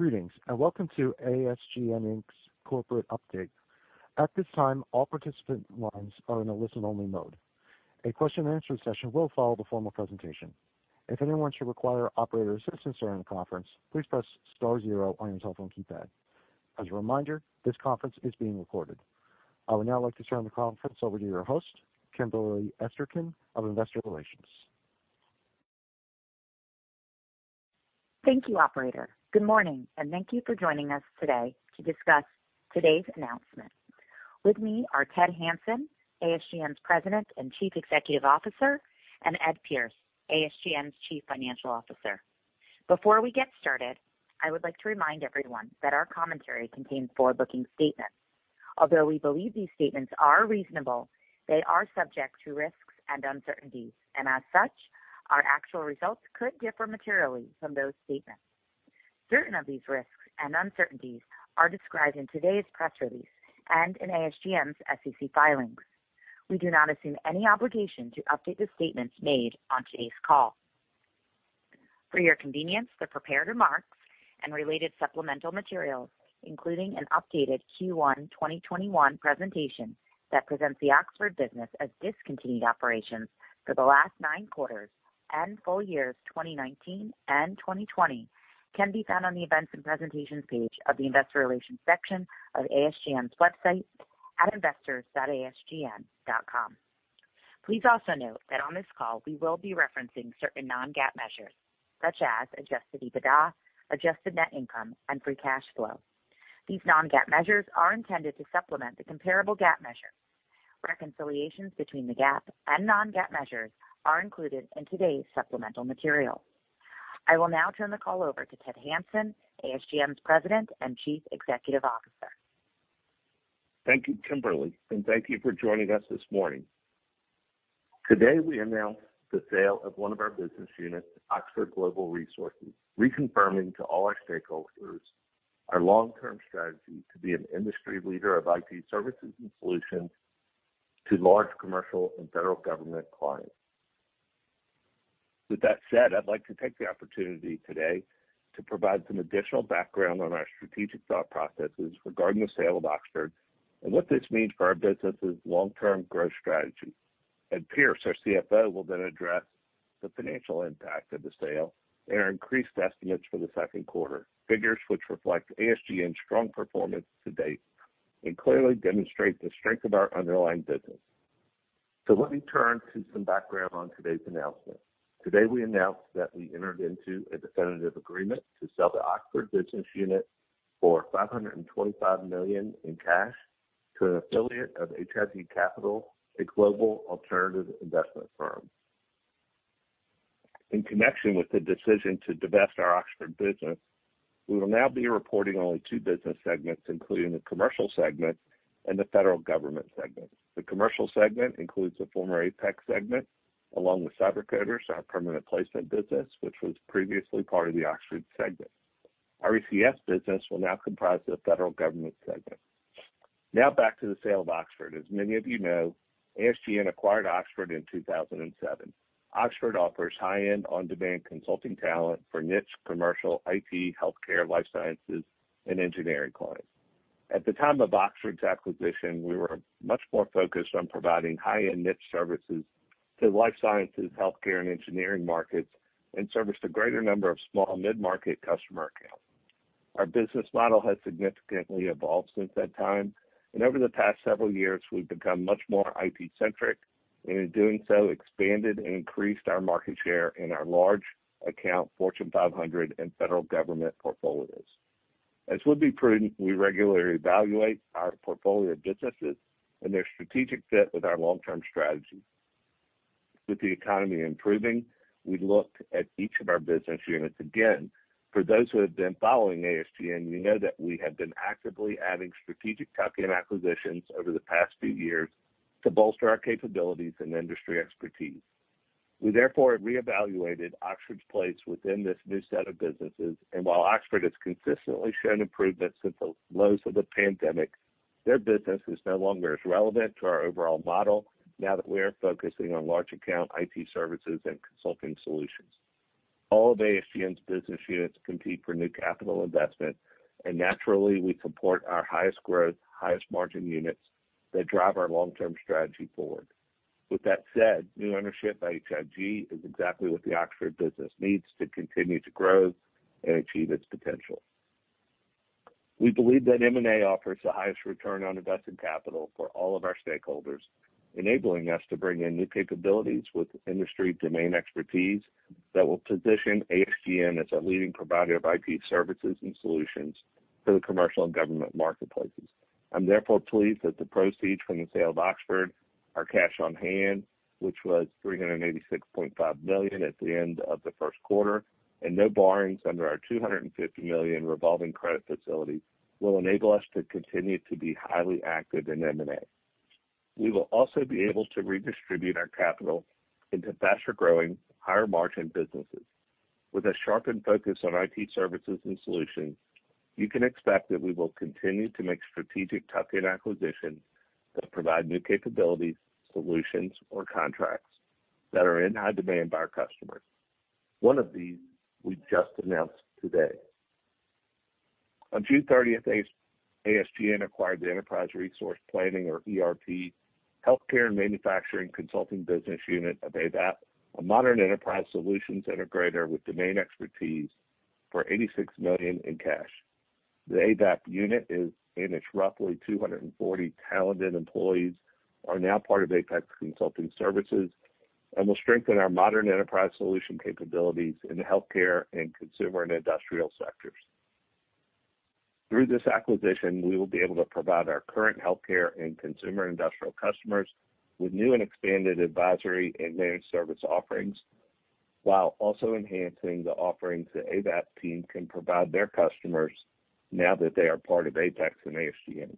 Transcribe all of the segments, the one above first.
Greetings and welcome to ASGN's corporate update. At this time, all participant lines are in a listen-only mode. A question-and-answer session will follow the formal presentation. If anyone should require operator assistance during the conference, please press star zero on your telephone keypad. As a reminder, this conference is being recorded. I would now like to turn the conference over to your host, Kimberly Esterkin, of Investor Relations. Thank you, Operator. Good morning, and thank you for joining us today to discuss today's announcement. With me are Ted Hanson, ASGN's President and Chief Executive Officer, and Ed Pierce, ASGN's Chief Financial Officer. Before we get started, I would like to remind everyone that our commentary contains forward-looking statements. Although we believe these statements are reasonable, they are subject to risks and uncertainties, and as such, our actual results could differ materially from those statements. Certain of these risks and uncertainties are described in today's press release and in ASGN's SEC filings. We do not assume any obligation to update the statements made on today's call. For your convenience, the prepared remarks and related supplemental materials, including an updated Q1 2021 presentation that presents the Oxford business as discontinued operations for the last nine quarters and full years 2019 and 2020, can be found on the events and presentations page of the Investor Relations section of ASGN's website at investors.asgn.com. Please also note that on this call, we will be referencing certain non-GAAP measures, such as adjusted EBITDA, adjusted net income, and free cash flow. These non-GAAP measures are intended to supplement the comparable GAAP measure. Reconciliations between the GAAP and non-GAAP measures are included in today's supplemental material. I will now turn the call over to Ted Hanson, ASGN's President and Chief Executive Officer. Thank you, Kimberly, and thank you for joining us this morning. Today, we announce the sale of one of our business units, Oxford Global Resources, reconfirming to all our stakeholders our long-term strategy to be an industry leader of IT services and solutions to large commercial and federal government clients. With that said, I'd like to take the opportunity today to provide some additional background on our strategic thought processes regarding the sale of Oxford and what this means for our business's long-term growth strategy. Ed Pierce, our CFO, will then address the financial impact of the sale and our increased estimates for the second quarter, figures which reflect ASGN's strong performance to date and clearly demonstrate the strength of our underlying business. Let me turn to some background on today's announcement. Today, we announced that we entered into a definitive agreement to sell the Oxford business unit for $525 million in cash to an affiliate of H.I.G. Capital, a global alternative investment firm. In connection with the decision to divest our Oxford business, we will now be reporting only two business segments, including the commercial segment and the federal government segment. The commercial segment includes the former APEX segment, along with CyberCoders, our permanent placement business, which was previously part of the Oxford segment. Our ECS business will now comprise the federal government segment. Now, back to the sale of Oxford. As many of you know, ASGN acquired Oxford in 2007. Oxford offers high-end on-demand consulting talent for niche, commercial, IT, healthcare, life sciences, and engineering clients. At the time of Oxford's acquisition, we were much more focused on providing high-end niche services to life sciences, healthcare, and engineering markets and service a greater number of small mid-market customer accounts. Our business model has significantly evolved since that time, and over the past several years, we've become much more IT-centric and, in doing so, expanded and increased our market share in our large account Fortune 500 and federal government portfolios. As would be prudent, we regularly evaluate our portfolio of businesses and their strategic fit with our long-term strategy. With the economy improving, we looked at each of our business units. Again, for those who have been following ASGN, you know that we have been actively adding strategic top-end acquisitions over the past few years to bolster our capabilities and industry expertise. We therefore have reevaluated Oxford's place within this new set of businesses, and while Oxford has consistently shown improvements since the lows of the pandemic, their business is no longer as relevant to our overall model now that we are focusing on large account IT services and consulting solutions. All of ASGN's business units compete for new capital investment, and naturally, we support our highest growth, highest margin units that drive our long-term strategy forward. With that said, new ownership by H.I.G. is exactly what the Oxford business needs to continue to grow and achieve its potential. We believe that M&A offers the highest return on invested capital for all of our stakeholders, enabling us to bring in new capabilities with industry-domain expertise that will position ASGN as a leading provider of IT services and solutions for the commercial and government marketplaces. I'm therefore pleased that the proceeds from the sale of Oxford, our cash on hand, which was $386.5 million at the end of the first quarter, and no borrowings under our $250 million revolving credit facility will enable us to continue to be highly active in M&A. We will also be able to redistribute our capital into faster-growing, higher-margin businesses. With a sharpened focus on IT services and solutions, you can expect that we will continue to make strategic top-end acquisitions that provide new capabilities, solutions, or contracts that are in high demand by our customers. One of these we just announced today. On June 30th, ASGN acquired the Enterprise Resource Planning, or ERP, Healthcare and Manufacturing Consulting Business Unit of Avaap, a modern enterprise solutions integrator with domain expertise for $86 million in cash. The Avaap unit and its roughly 240 talented employees are now part of APEX Consulting Services and will strengthen our modern enterprise solution capabilities in the healthcare and consumer and industrial sectors. Through this acquisition, we will be able to provide our current healthcare and consumer industrial customers with new and expanded advisory and managed service offerings while also enhancing the offerings the Avaap team can provide their customers now that they are part of APEX and ASGN.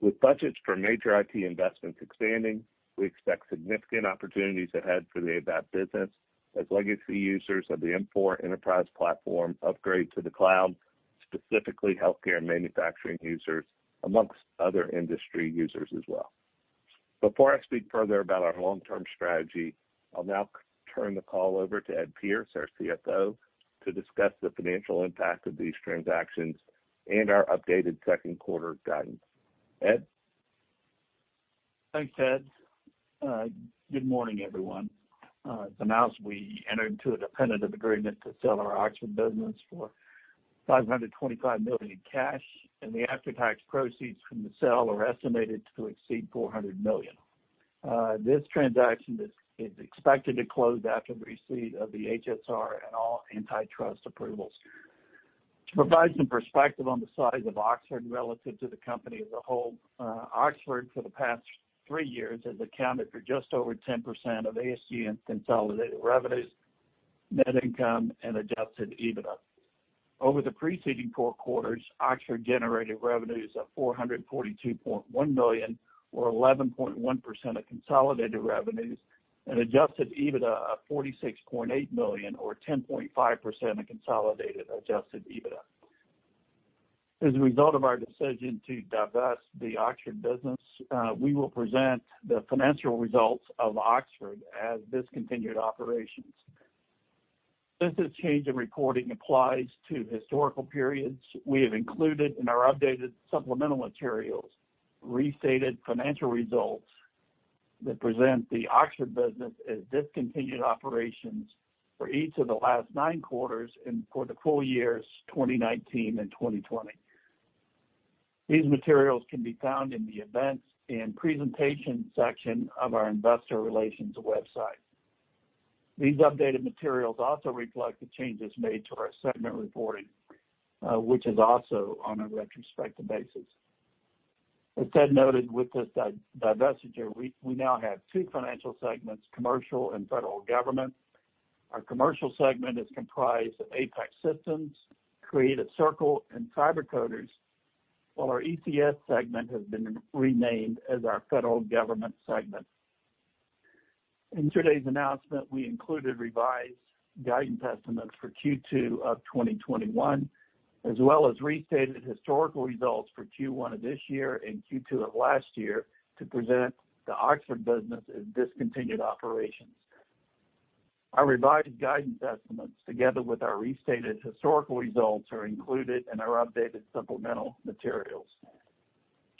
With budgets for major IT investments expanding, we expect significant opportunities ahead for the Avaap business as legacy users of the S/4HANA Enterprise Platform upgrade to the cloud, specifically healthcare and manufacturing users, amongst other industry users as well. Before I speak further about our long-term strategy, I'll now turn the call over to Ed Pierce, our CFO, to discuss the financial impact of these transactions and our updated second quarter guidance. Ed. Thanks, Ted. Good morning, everyone. We entered into a definitive agreement to sell our Oxford business for $525 million in cash, and the after-tax proceeds from the sale are estimated to exceed $400 million. This transaction is expected to close after the receipt of the HSR and all antitrust approvals. To provide some perspective on the size of Oxford relative to the company as a whole, Oxford for the past three years has accounted for just over 10% of ASGN's consolidated revenues, net income, and adjusted EBITDA. Over the preceding four quarters, Oxford generated revenues of $442.1 million, or 11.1% of consolidated revenues, and adjusted EBITDA of $46.8 million, or 10.5% of consolidated adjusted EBITDA. As a result of our decision to divest the Oxford business, we will present the financial results of Oxford as discontinued operations. Since this change in reporting applies to historical periods, we have included in our updated supplemental materials restated financial results that present the Oxford business as discontinued operations for each of the last nine quarters and for the full years 2019 and 2020. These materials can be found in the events and presentation section of our Investor Relations website. These updated materials also reflect the changes made to our segment reporting, which is also on a retrospective basis. As Ted noted, with this divestiture, we now have two financial segments: commercial and federal government. Our commercial segment is comprised of APEX Systems, Creative Circle, and CyberCoders, while our ECS segment has been renamed as our federal government segment. In today's announcement, we included revised guidance estimates for Q2 of 2021, as well as restated historical results for Q1 of this year and Q2 of last year to present the Oxford business as discontinued operations. Our revised guidance estimates, together with our restated historical results, are included in our updated supplemental materials.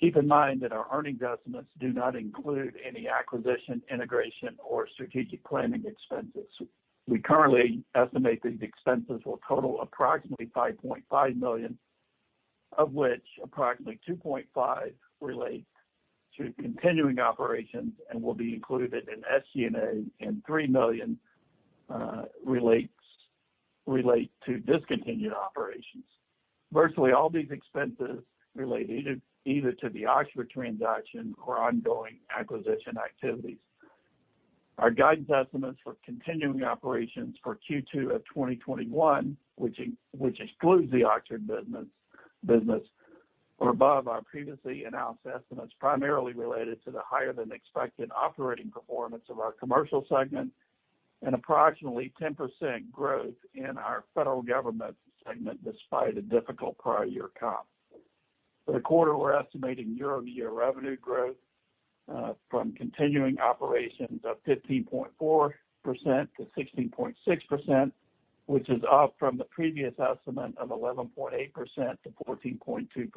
Keep in mind that our earnings estimates do not include any acquisition, integration, or strategic planning expenses. We currently estimate these expenses will total approximately $5.5 million, of which approximately $2.5 million relates to continuing operations and will be included in SG&A, and $3 million relates to discontinued operations. Virtually all these expenses relate either to the Oxford transaction or ongoing acquisition activities. Our guidance estimates for continuing operations for Q2 of 2021, which excludes the Oxford business, are above our previously announced estimates, primarily related to the higher-than-expected operating performance of our commercial segment and approximately 10% growth in our federal government segment despite a difficult prior year comp. For the quarter, we're estimating year-over-year revenue growth from continuing operations of 15.4%-16.6%, which is up from the previous estimate of 11.8%-14.2%,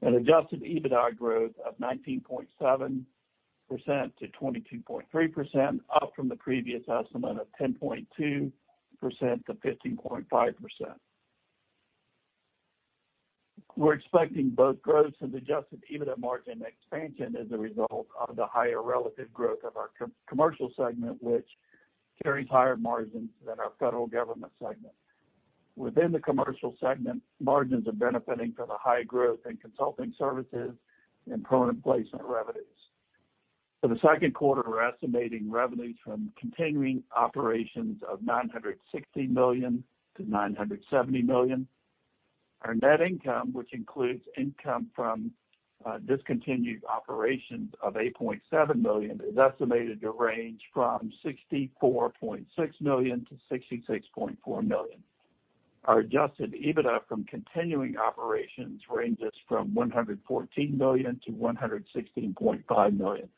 and adjusted EBITDA growth of 19.7%-22.3%, up from the previous estimate of 10.2%-15.5%. We're expecting both growths and adjusted EBITDA margin expansion as a result of the higher relative growth of our commercial segment, which carries higher margins than our federal government segment. Within the commercial segment, margins are benefiting from the high growth in consulting services and permanent placement revenues. For the second quarter, we're estimating revenues from continuing operations of $960 million-$970 million. Our net income, which includes income from discontinued operations of $8.7 million, is estimated to range from $64.6 million-$66.4 million. Our adjusted EBITDA from continuing operations ranges from $114 million-$116.5 million.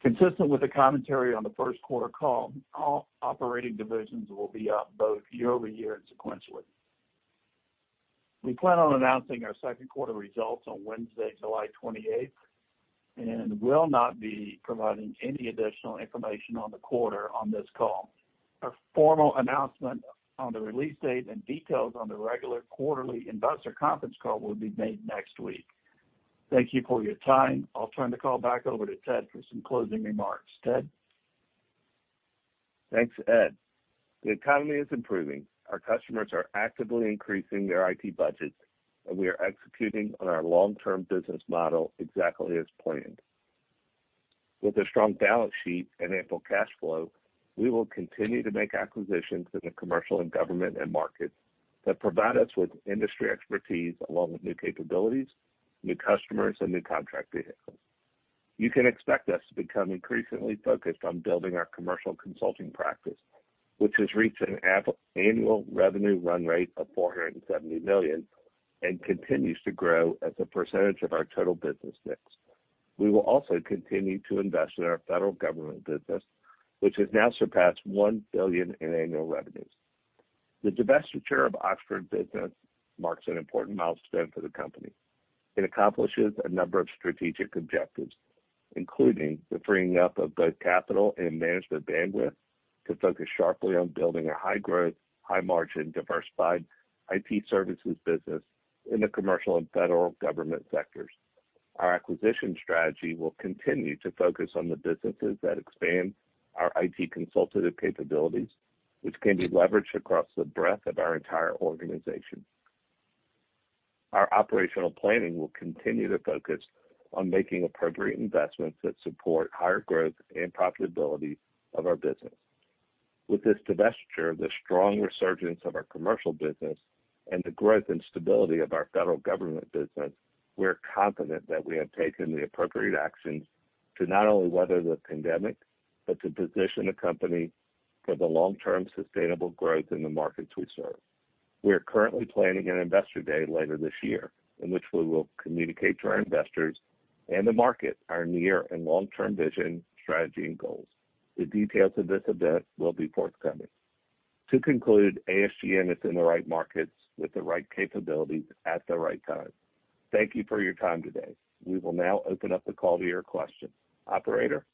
Consistent with the commentary on the first quarter call, all operating divisions will be up both year-over-year and sequentially. We plan on announcing our second quarter results on Wednesday, July 28th, and will not be providing any additional information on the quarter on this call. A formal announcement on the release date and details on the regular quarterly investor conference call will be made next week. Thank you for your time. I'll turn the call back over to Ted for some closing remarks. Ted. Thanks, Ed. The economy is improving. Our customers are actively increasing their IT budgets, and we are executing on our long-term business model exactly as planned. With a strong balance sheet and ample cash flow, we will continue to make acquisitions in the commercial and government markets that provide us with industry expertise along with new capabilities, new customers, and new contract vehicles. You can expect us to become increasingly focused on building our commercial consulting practice, which has reached an annual revenue run rate of $470 million and continues to grow as a percentage of our total business mix. We will also continue to invest in our federal government business, which has now surpassed $1 billion in annual revenues. The divestiture of Oxford business marks an important milestone for the company. It accomplishes a number of strategic objectives, including the freeing up of both capital and management bandwidth to focus sharply on building a high-growth, high-margin, diversified IT services business in the commercial and federal government sectors. Our acquisition strategy will continue to focus on the businesses that expand our IT consultative capabilities, which can be leveraged across the breadth of our entire organization. Our operational planning will continue to focus on making appropriate investments that support higher growth and profitability of our business. With this divestiture, the strong resurgence of our commercial business, and the growth and stability of our federal government business, we are confident that we have taken the appropriate actions to not only weather the pandemic but to position the company for the long-term sustainable growth in the markets we serve. We are currently planning an investor day later this year, in which we will communicate to our investors and the market our near and long-term vision, strategy, and goals. The details of this event will be forthcoming. To conclude, ASGN is in the right markets with the right capabilities at the right time. Thank you for your time today. We will now open up the call to your questions. Operator.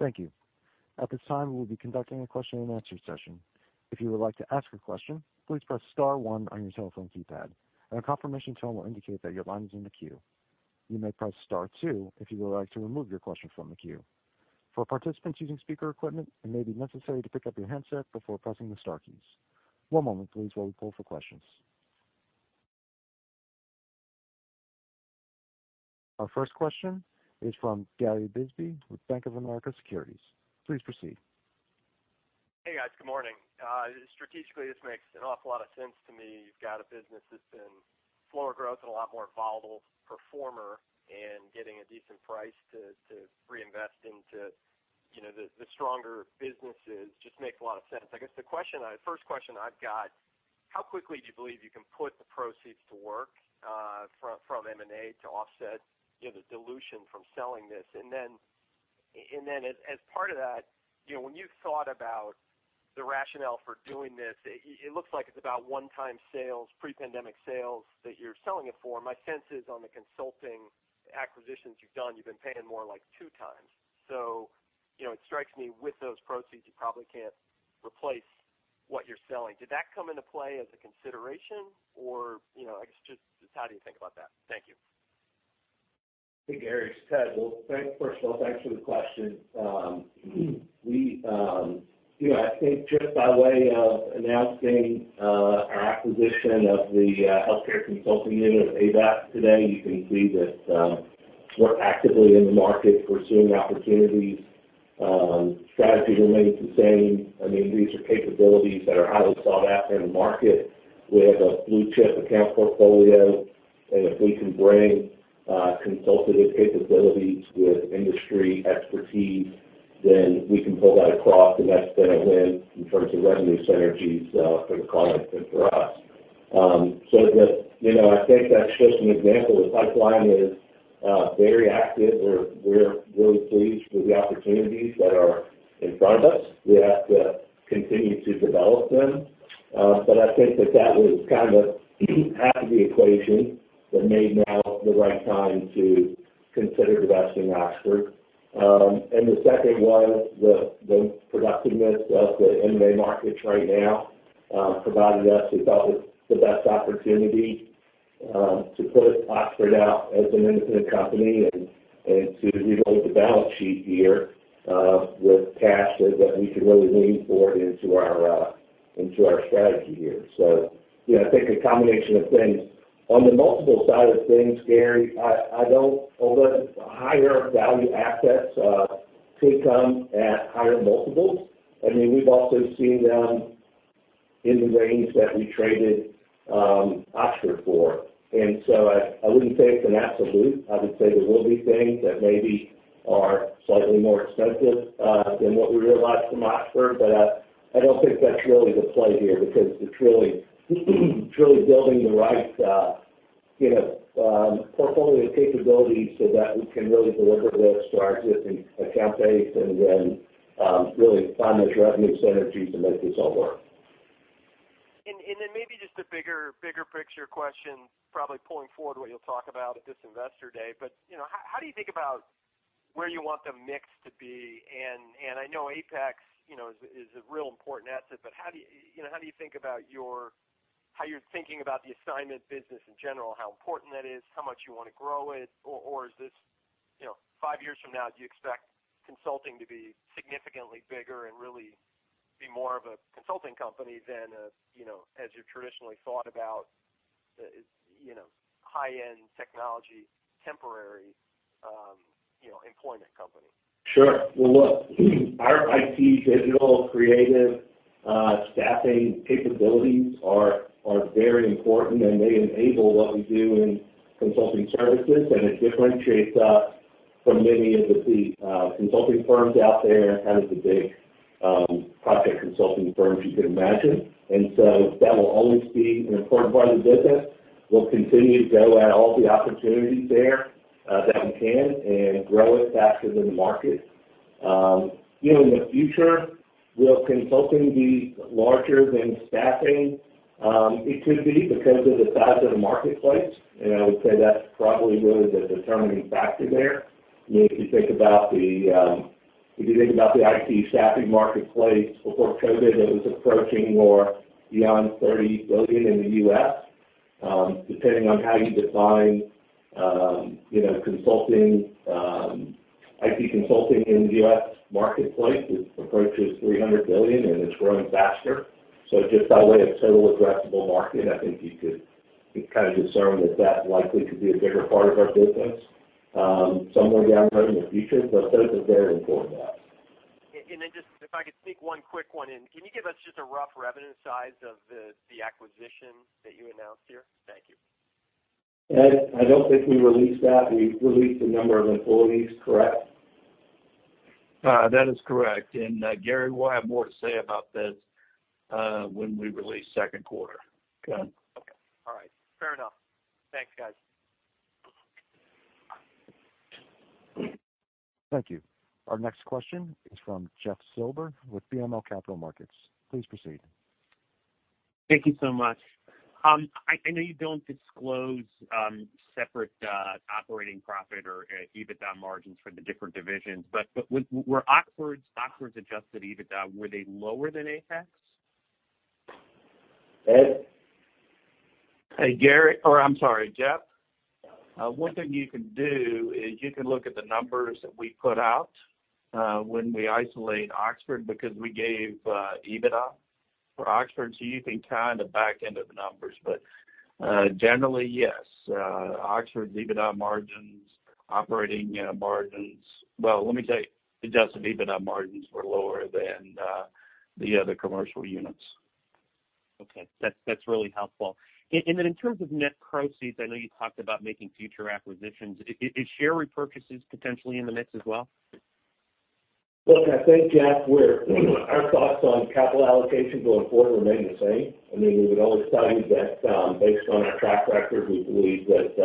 Thank you. At this time, we'll be conducting a question-and-answer session. If you would like to ask a question, please press star one on your telephone keypad, and a confirmation tone will indicate that your line is in the queue. You may press star two if you would like to remove your question from the queue. For participants using speaker equipment, it may be necessary to pick up your headset before pressing the star keys. One moment, please, while we pull for questions. Our first question is from Gary Bisbee with Bank of America Securities. Please proceed. Hey, guys. Good morning. Strategically, this makes an awful lot of sense to me. You've got a business that's been slower growth and a lot more volatile performer, and getting a decent price to reinvest into the stronger businesses just makes a lot of sense. I guess the first question I've got: how quickly do you believe you can put the proceeds to work from M&A to offset the dilution from selling this? As part of that, when you've thought about the rationale for doing this, it looks like it's about one-time sales, pre-pandemic sales that you're selling it for. My sense is, on the consulting acquisitions you've done, you've been paying more like two times. It strikes me, with those proceeds, you probably can't replace what you're selling. Did that come into play as a consideration, or I guess just how do you think about that? Thank you. Hey, Gary. It's Ted. First of all, thanks for the question. I think just by way of announcing our acquisition of the healthcare consulting unit of Avaap today, you can see that we're actively in the market, pursuing opportunities. Strategy remains the same. I mean, these are capabilities that are highly sought after in the market. We have a blue-chip account portfolio, and if we can bring consultative capabilities with industry expertise, then we can pull that across, and that's been a win in terms of revenue synergies for the clients and for us. I think that's just an example. The pipeline is very active. We're really pleased with the opportunities that are in front of us. We have to continue to develop them. I think that that was kind of half of the equation that made now the right time to consider divesting Oxford. The second was the productiveness of the M&A markets right now provided us, we thought, with the best opportunity to put Oxford out as an independent company and to reload the balance sheet here with cash that we could really lean forward into our strategy here. I think a combination of things. On the multiple side of things, Gary, I don't know that higher-value assets could come at higher multiples. I mean, we've also seen them in the range that we traded Oxford for. I wouldn't say it's an absolute. I would say there will be things that maybe are slightly more expensive than what we realized from Oxford, but I don't think that's really the play here because it's really building the right portfolio capabilities so that we can really deliver this to our existing account base and then really find those revenue synergies and make this all work. Maybe just the bigger picture question, probably pulling forward what you'll talk about at this investor day. How do you think about where you want the mix to be? I know APEX is a real important asset, but how do you think about how you're thinking about the assignment business in general, how important that is, how much you want to grow it? Is this five years from now, do you expect consulting to be significantly bigger and really be more of a consulting company than as you've traditionally thought about high-end technology temporary employment company? Sure. Look, our IT, digital, creative staffing capabilities are very important, and they enable what we do in consulting services, and it differentiates us from many of the consulting firms out there and kind of the big project consulting firms you could imagine. That will always be an important part of the business. We'll continue to go at all the opportunities there that we can and grow it faster than the market. In the future, will consulting be larger than staffing? It could be because of the size of the marketplace, and I would say that's probably really the determining factor there. I mean, if you think about the IT staffing marketplace before COVID, it was approaching more beyond $30 billion in the US. Depending on how you define IT consulting in the US marketplace, it approaches $300 billion, and it's growing faster. Just by way of total addressable market, I think you could kind of discern that that likely could be a bigger part of our business somewhere down the road in the future. Those are very important to us. If I could sneak one quick one in. Can you give us just a rough revenue size of the acquisition that you announced here? Thank you. Ed, I don't think we released that. We released the number of employees, correct? That is correct. Gary will have more to say about this when we release second quarter. Okay. Okay. All right. Fair enough. Thanks, guys. Thank you. Our next question is from Jeff Silber with BMO Capital Markets. Please proceed. Thank you so much. I know you don't disclose separate operating profit or EBITDA margins for the different divisions, but were Oxford's adjusted EBITDA, were they lower than APEX? Ed? Hey, Gary. Or I'm sorry, Jeff. One thing you can do is you can look at the numbers that we put out when we isolate Oxford because we gave EBITDA for Oxford, so you can kind of back into the numbers. But generally, yes. Oxford's EBITDA margins, operating margins, actually, adjusted EBITDA margins were lower than the other commercial units. Okay. That's really helpful. In terms of net proceeds, I know you talked about making future acquisitions. Is share repurchases potentially in the mix as well? I think, Jeff, our thoughts on capital allocation going forward remain the same. I mean, we would always tell you that, based on our track record, we believe that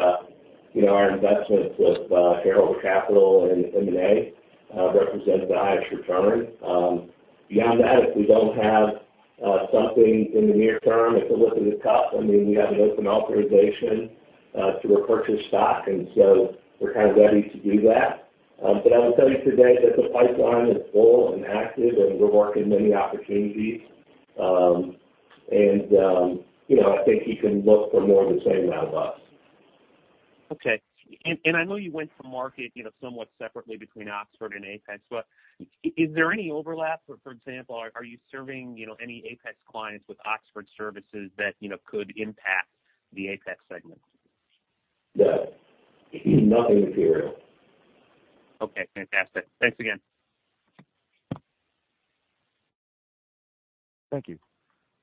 our investments with Shareholder Capital and M&A represent the highest return. Beyond that, if we do not have something in the near term at the whip of the cup, I mean, we have an open authorization to repurchase stock, and so we are kind of ready to do that. I will tell you today that the pipeline is full and active, and we are working many opportunities. I think you can look for more of the same out of us. Okay. I know you went to market somewhat separately between Oxford and APEX, but is there any overlap? For example, are you serving any APEX clients with Oxford services that could impact the APEX segment? No. Nothing material. Okay. Fantastic. Thanks again. Thank you.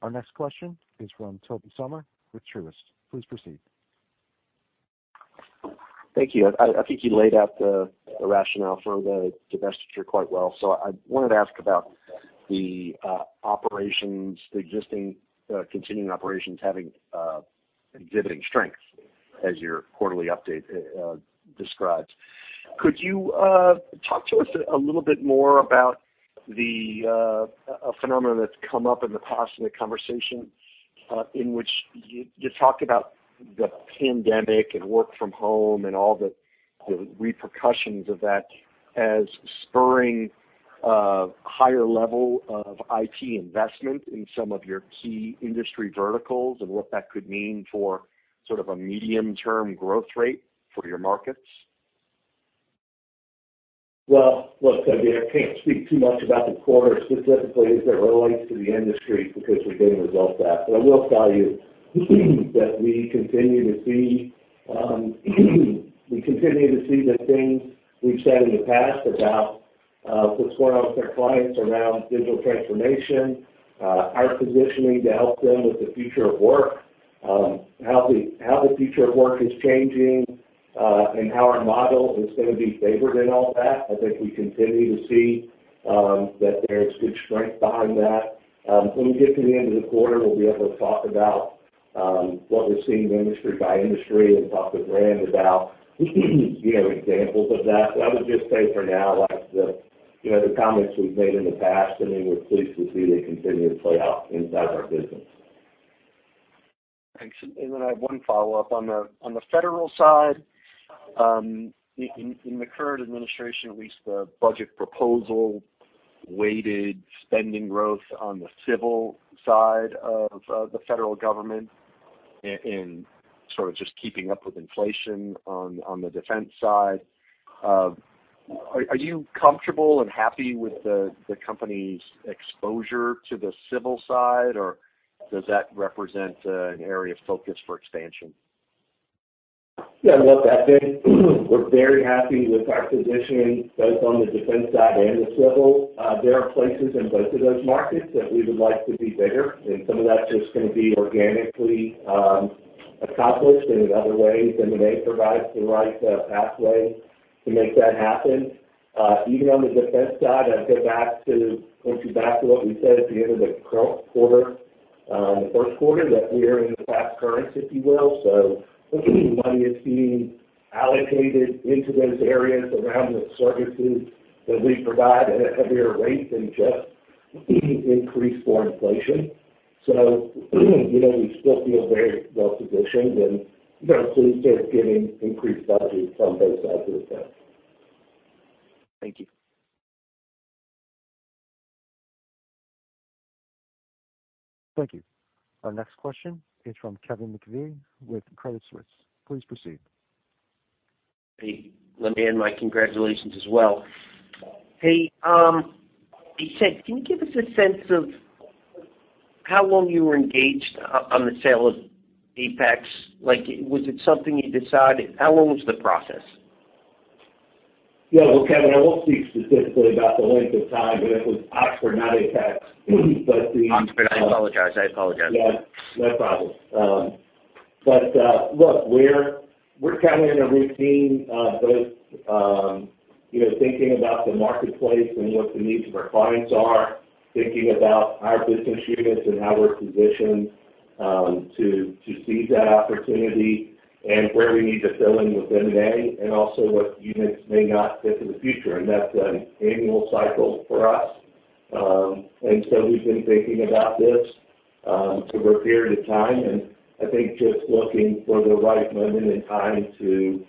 Our next question is from Tobey Sommer with Truist. Please proceed. Thank you. I think you laid out the rationale for the divestiture quite well. I wanted to ask about the existing continuing operations having exhibiting strength, as your quarterly update describes. Could you talk to us a little bit more about a phenomenon that's come up in the past in the conversation in which you talked about the pandemic and work from home and all the repercussions of that as spurring a higher level of IT investment in some of your key industry verticals and what that could mean for sort of a medium-term growth rate for your markets? Look, Toby, I can't speak too much about the quarter specifically as it relates to the industry because we didn't result that. I will tell you that we continue to see the things we've said in the past about what's going on with our clients around digital transformation, our positioning to help them with the future of work, how the future of work is changing, and how our model is going to be favored in all that. I think we continue to see that there's good strength behind that. When we get to the end of the quarter, we'll be able to talk about what we're seeing industry by industry and talk to Rand about examples of that. I would just say, for now, the comments we've made in the past, I mean, we're pleased to see they continue to play out inside our business. Thanks. I have one follow-up. On the federal side, in the current administration, at least, the budget proposal weighted spending growth on the civil side of the federal government and sort of just keeping up with inflation on the defense side. Are you comfortable and happy with the company's exposure to the civil side, or does that represent an area of focus for expansion? Yeah. Look, I think we're very happy with our position both on the defense side and the civil. There are places in both of those markets that we would like to be bigger, and some of that's just going to be organically accomplished in other ways. M&A provides the right pathway to make that happen. Even on the defense side, I would go back to point you back to what we said at the end of the quarter, the first quarter, that we are in the fast current, if you will. Money is being allocated into those areas around the services that we provide at a heavier rate than just increase for inflation. We still feel very well positioned, and things are getting increased budget from both sides of the fence. Thank you. Thank you. Our next question is from Kevin McVeigh with Credit Suisse. Please proceed. Hey. Let me add my congratulations as well. Hey, Ed, can you give us a sense of how long you were engaged on the sale of Oxford? Was it something you decided? How long was the process? Yeah. Kevin, I won't speak specifically about the length of time, but it was Oxford, not APEX. Oxford. I apologize. I apologize. Yeah. No problem. Look, we're kind of in a routine, both thinking about the marketplace and what the needs of our clients are, thinking about our business units and how we're positioned to seize that opportunity and where we need to fill in with M&A and also what units may not fit for the future. That's an annual cycle for us. We've been thinking about this for a period of time. I think just looking for the right moment in time to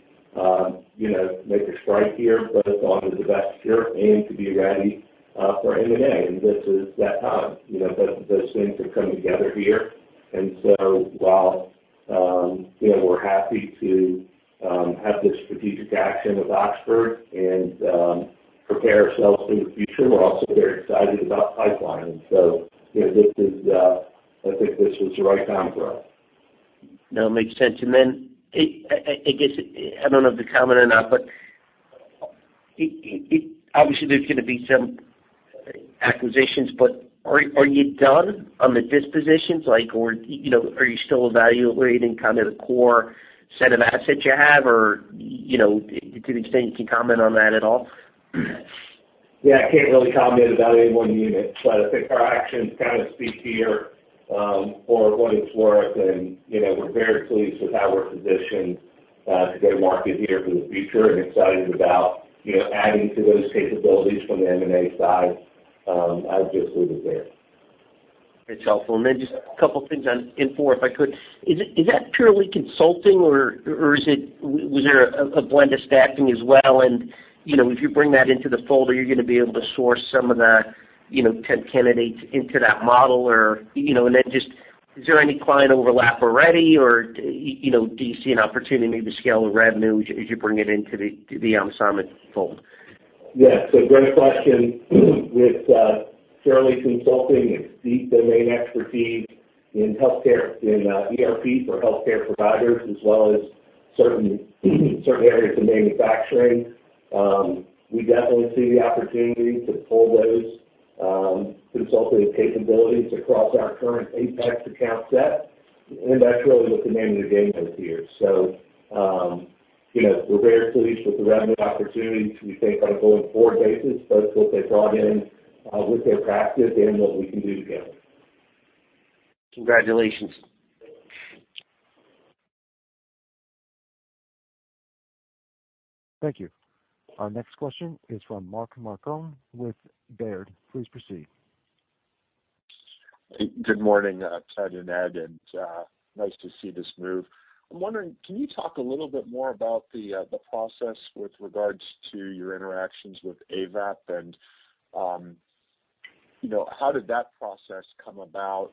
make a strike here, both on the divestiture and to be ready for M&A. This is that time. Those things have come together here. While we're happy to have this strategic action with Oxford and prepare ourselves for the future, we're also very excited about pipeline. I think this was the right time for us. That makes sense. I guess I don't know if you'll comment or not, but obviously, there's going to be some acquisitions, but are you done on the dispositions? Are you still evaluating kind of the core set of assets you have? To the extent you can comment on that at all? Yeah. I can't really comment about any one unit, but I think our actions kind of speak to you for what it's worth. We're very pleased with how we're positioned to go to market here for the future and excited about adding to those capabilities from the M&A side. I'll just leave it there. That's helpful. Just a couple of things on N4, if I could. Is that purely consulting, or was there a blend of staffing as well? If you bring that into the folder, are you going to be able to source some of the 10 candidates into that model? Is there any client overlap already, or do you see an opportunity maybe to scale the revenue as you bring it into the Amazon fold? Yeah. Great question. With Shirley Consulting, it's deep domain expertise in healthcare and ERP for healthcare providers as well as certain areas of manufacturing. We definitely see the opportunity to pull those consulting capabilities across our current APEX account set. That is really what the name of the game is here. We are very pleased with the revenue opportunities we think on a going forward basis, both what they brought in with their practice and what we can do together. Congratulations. Thank you. Our next question is from Mark Marcon with Baird. Please proceed. Hey. Good morning. Ted and Ed, and nice to see this move. I'm wondering, can you talk a little bit more about the process with regards to your interactions with Avaap? And how did that process come about?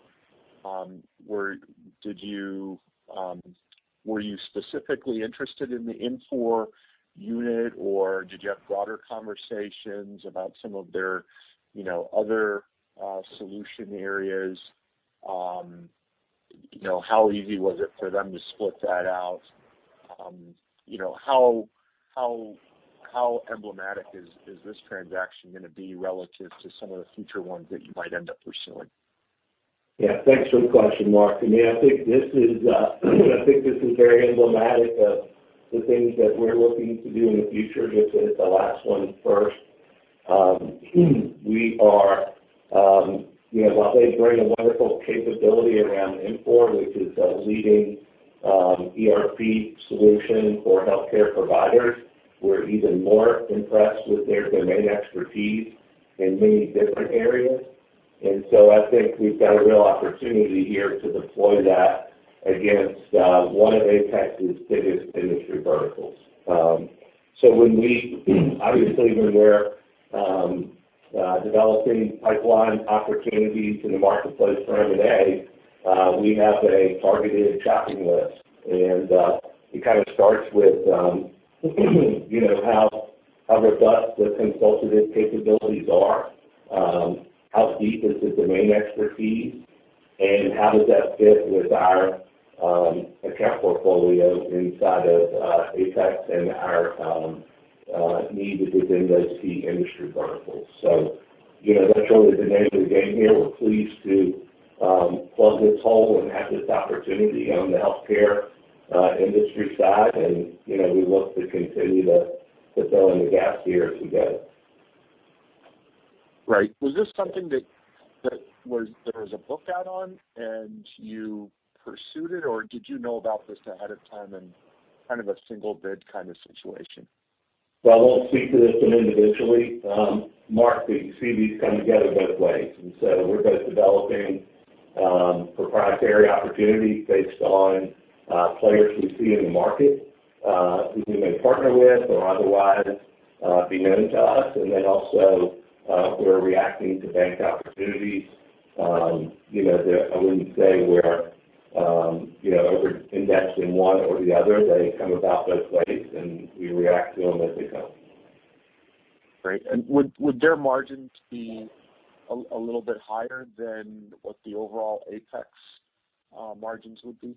Were you specifically interested in the ERP unit, or did you have broader conversations about some of their other solution areas? How easy was it for them to split that out? How emblematic is this transaction going to be relative to some of the future ones that you might end up pursuing? Yeah. Thanks for the question, Mark. I mean, I think this is very emblematic of the things that we're looking to do in the future, just to hit the last one first. We are, while they bring a wonderful capability around N4, which is a leading ERP solution for healthcare providers, we're even more impressed with their domain expertise in many different areas. I think we've got a real opportunity here to deploy that against one of APEX's biggest industry verticals. Obviously, when we're developing pipeline opportunities in the marketplace for M&A, we have a targeted shopping list. It kind of starts with how robust the consultative capabilities are, how deep is the domain expertise, and how does that fit with our account portfolio inside of APEX and our need to within those key industry verticals. That's really the name of the game here. We're pleased to plug this hole and have this opportunity on the healthcare industry side. We look to continue to fill in the gaps here as we go. Right. Was this something that there was a book out on, and you pursued it, or did you know about this ahead of time in kind of a single bid kind of situation? I will not speak to this individually. Mark, you see these come together both ways. We are both developing proprietary opportunities based on players we see in the market who we may partner with or otherwise be known to us. Also, we are reacting to bank opportunities. I would not say we are over-indexed in one or the other. They come about both ways, and we react to them as they come. Great. Would their margins be a little bit higher than what the overall APEX margins would be?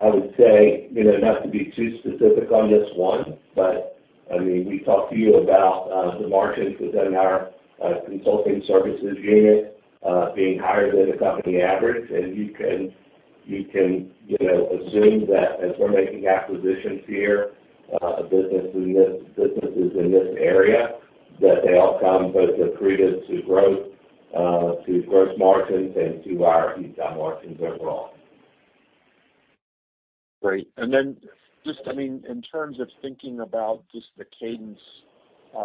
I would say not to be too specific on this one, but I mean, we talked to you about the margins within our consulting services unit being higher than the company average. And you can assume that as we're making acquisitions here, businesses in this area, that they all come both accretive to growth, to gross margins, and to our EBITDA margins overall. Great. I mean, in terms of thinking about just the cadence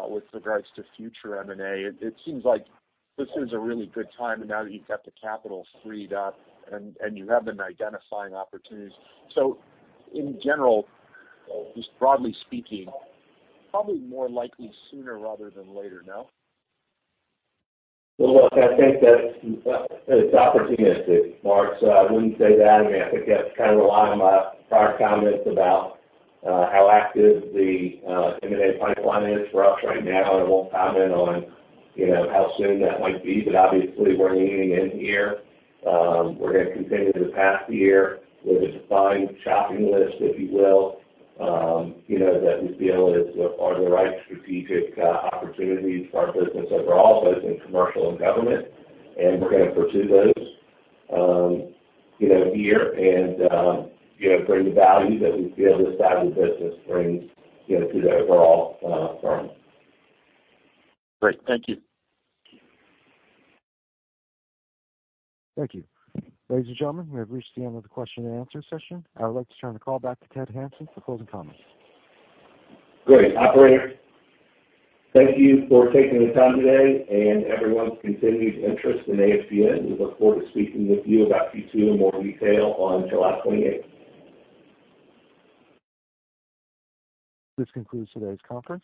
with regards to future M&A, it seems like this is a really good time now that you've got the capital freed up and you have been identifying opportunities. In general, just broadly speaking, probably more likely sooner rather than later, no? I think that it's opportunistic, Mark. I wouldn't say that. I mean, I think that's kind of a line of my prior comments about how active the M&A pipeline is for us right now. I won't comment on how soon that might be. Obviously, we're leaning in here. We're going to continue the past year with a defined shopping list, if you will, that we feel are the right strategic opportunities for our business overall, both in commercial and government. We're going to pursue those here and bring the value that we feel this side of the business brings to the overall firm. Great. Thank you. Thank you. Ladies and gentlemen, we have reached the end of the question and answer session. I would like to turn the call back to Ted Hanson for closing comments. Great. Operator, thank you for taking the time today and everyone's continued interest in ASGN. We look forward to speaking with you about Q2 in more detail on July 28. This concludes today's conference.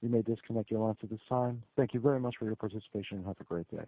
You may disconnect your lines at this time. Thank you very much for your participation and have a great day.